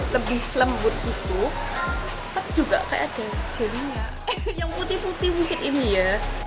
lebih lembut gitu tapi juga kayak ada jelinya yang putih putih mungkin ini ya